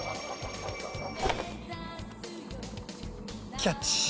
キャッチ。